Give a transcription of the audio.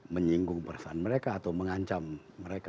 menyinggung perasaan mereka atau mengancam mereka